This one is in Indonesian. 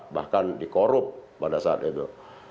bahkan dikorup pada saat itu